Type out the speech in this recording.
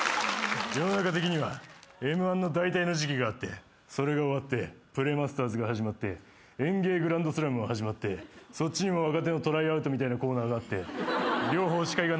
世の中的にはＭ−１のだいたいの時期があってそれが終わって『プレマスターズ』が始まって『ＥＮＧＥＩグランドスラム』が始まってそっちにも若手のトライアウトみたいなコーナーがあって両方司会がナインティナイン。